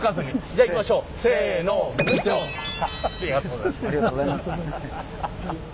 ありがとうございます。